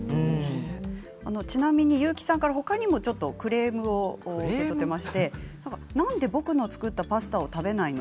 ちなみに結城さんから他にもクレームをもらっていましてなんで僕の作ったパスタを食べないの？